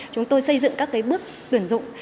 chúng tôi xây dựng các cái bước tuyển dụng